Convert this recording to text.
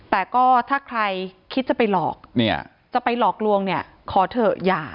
แต่ก็ถ้าใครคิดจะไปหลอกเนี่ยจะไปหลอกลวงเนี่ยขอเถอะอย่า